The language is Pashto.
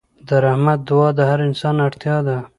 د رحمت دعا د هر انسان اړتیا ده.